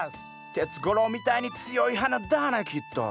テツゴロウみたいに強い花だねきっと！